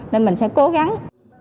nên mình sẽ cố gắng